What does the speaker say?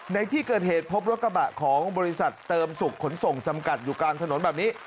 ในที่เกิดเหตุพบรถกระบะของบริษัทเติมสุขขนส่งจำกัดอยู่กลางถนนแบบนี้